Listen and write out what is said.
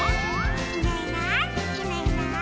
「いないいないいないいない」